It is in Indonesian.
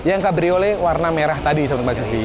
yang cabriolet warna merah tadi mbak sivy